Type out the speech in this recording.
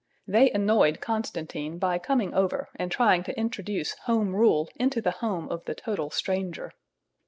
They annoyed Constantine by coming over and trying to introduce Home Rule into the home of the total stranger.